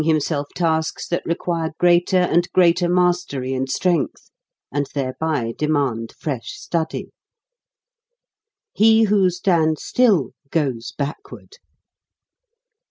14 HOW TO SING greater and greater mastery and strength, and thereby demand fresh study. He who stands still, goes backward.